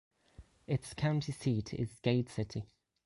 Its county seat is Gate City.